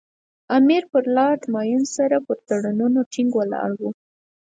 امیر پر لارډ مایو سره پر تړونونو ټینګ ولاړ وو.